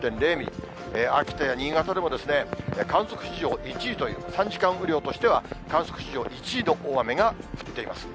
秋田や新潟でも観測史上１位という、短時間雨量としては観測史上１位の大雨が降っています。